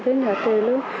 cứ nhỏ từ lúc